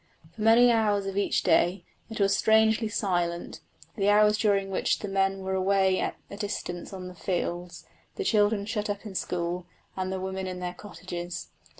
For many hours of each day it was strangely silent, the hours during which the men were away at a distance in the fields, the children shut up in school, and the women in their cottages.